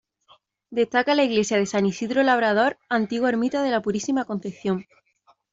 Destaca la iglesia de San Isidro Labrador, antigua ermita de la Purísima Concepción.